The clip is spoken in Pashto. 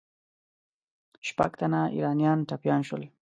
شپږ تنه ایرانیان ټپیان سول.